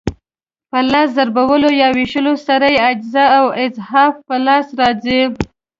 په لس ضربولو یا وېشلو سره یې اجزا او اضعاف په لاس راځي.